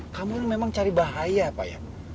kamu memang cari bahaya apa ya